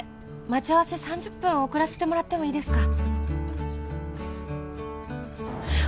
待ち合わせ３０分遅らせてもらってもいいですか？」